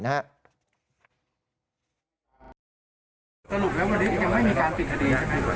สรุปแล้ววันนี้ยังไม่มีการปิดคดีใช่ไหม